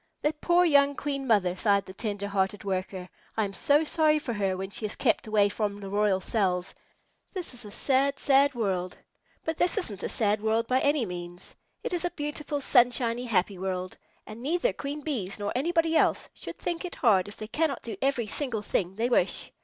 "That poor young Queen Mother!" sighed the tender hearted Worker. "I am so sorry for her when she is kept away from the royal cells. This is a sad, sad world!" But this isn't a sad world by any means. It is a beautiful, sunshiny, happy world, and neither Queen Bees nor anybody else should think it hard if they cannot do every single thing they wish.